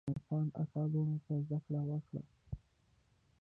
میاخان اکا لوڼو ته زده کړه ورکړه.